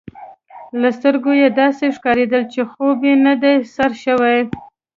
له سترګو يې داسي ښکارېدل، چي خوب یې نه دی سر شوی.